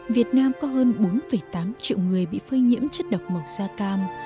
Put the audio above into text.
việt nam có hơn bốn tám triệu người bị phơi nhiễm chất độc màu da cam